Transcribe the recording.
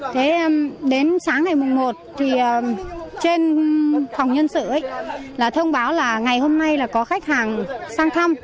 thế đến sáng ngày mùng một thì trên phòng nhân sự là thông báo là ngày hôm nay là có khách hàng sang thăm